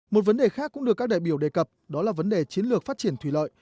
một vấn đề khác cũng được các đại biểu đề cập đó là vấn đề chiến lược phát triển thủy lợi